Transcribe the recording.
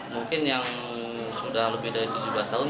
mungkin yang sudah lebih dari tujuh belas tahun